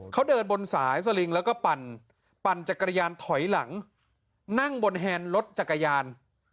เขาเดินบนสายสลิงแล้วก็ปั่นจักรยานถอยหลังนั่งบนแฮนด์รถจักรยาน